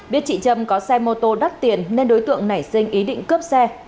biết chị trâm có xe mô tô đắt tiền nên đối tượng nảy sinh ý định cướp xe